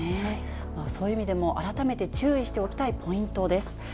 そういう意味でも改めて注意しておきたいポイントです。